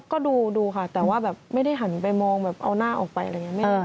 ก็ดูค่ะแต่ว่าแบบไม่ได้หันไปมองแบบเอาหน้าออกไปอะไรอย่างนี้